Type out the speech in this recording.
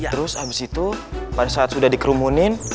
terus abis itu pada saat sudah dikerumunin